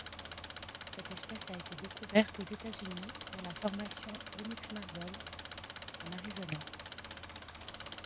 Cette espèce a été découverte aux États-Unis dans la formation Onyx Marble en Arizona.